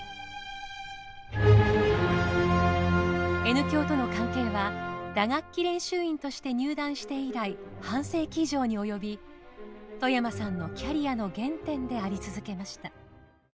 Ｎ響との関係は打楽器練習員として入団して以来半世紀以上に及び外山さんのキャリアの原点であり続けました。